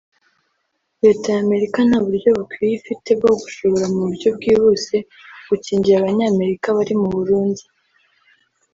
Leta y’Amerika nta buryo bukwiye ifite bwo gushobora mu buryo bwihuse gukingira Abanyamerika bari mu Burundi